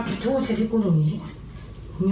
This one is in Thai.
ชอบเหรอใช่มั้ย